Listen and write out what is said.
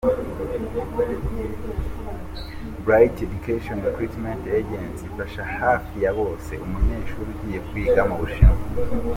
Bright Education Recruitment Agency ifasha hafi ya byose umunyeshuri ugiye kwiga mu Bushinwa.